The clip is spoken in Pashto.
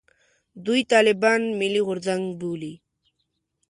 دوی طالبان «ملي غورځنګ» بولي.